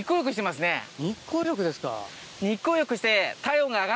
日光浴ですか。